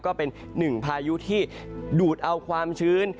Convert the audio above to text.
ก็เป็นหนึ่งพายุที่ดูดเอาความชื้น